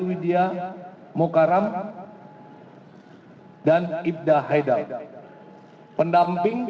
wid unterschied mokaram hai dan ibda haidaw pendamping akb